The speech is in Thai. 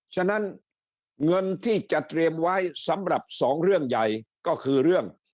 ฉะนั้นเงินที่จะเตรียมไว้สำหรับสองเรื่องใหญ่ก็คือเรื่อง